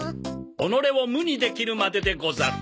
己を無にできるまででござる。